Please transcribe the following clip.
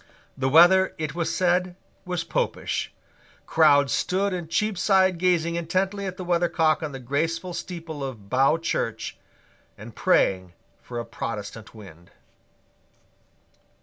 The weather, it was said, was Popish. Crowds stood in Cheapside gazing intently at the weathercock on the graceful steeple of Bow Church, and praying for a Protestant wind.